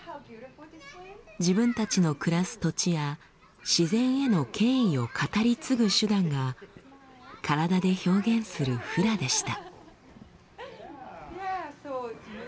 自分たちの暮らす土地や自然への敬意を語り継ぐ手段が体で表現するフラでした。